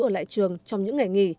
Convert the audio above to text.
ở lại trường trong những ngày nghỉ